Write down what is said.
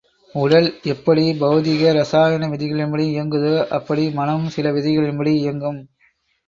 உடல் எப்படி பெளதிக ரசாயன விதிகளின்படி இயங்குதோ, அப்படி மனமும் சில விதிகளின்படி இயங்கும்.